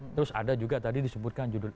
terus ada juga tadi disebutkan judul